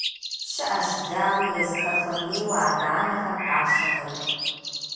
ЩыӀэщ, дауи, езыхэр хуэмейуэ адэ-анэхэм къашэхэри.